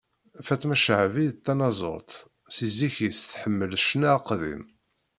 Faṭma Caɛbi, d tanaẓurt, si zik-is tḥemmel ccna aqdim.